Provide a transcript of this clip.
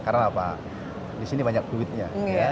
karena apa di sini banyak duitnya